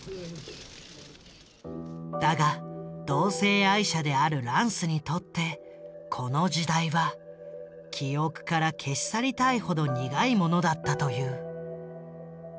だが同性愛者であるランスにとってこの時代は記憶から消し去りたいほど苦いものだったという。